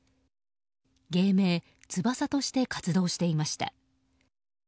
芸名・翼として活動していました。